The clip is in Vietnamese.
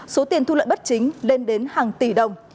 số tiền thu lợi bất chính lên đến hàng tỷ đồng